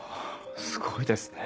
すごいですね。